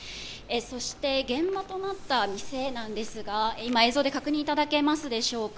そして、現場となった店ですが今、映像で確認いただけますでしょうか。